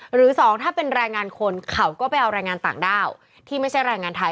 หรือสองถ้าเป็นแรงงานคนเขาก็ไปเอาแรงงานต่างด้าวที่ไม่ใช่แรงงานไทย